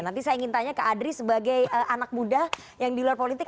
nanti saya ingin tanya ke adri sebagai anak muda yang di luar politik